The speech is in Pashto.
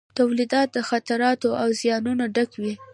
تولیدات د خطراتو او زیانونو ډک وي.